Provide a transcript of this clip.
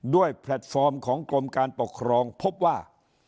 แพลตฟอร์มของกรมการปกครองพบว่า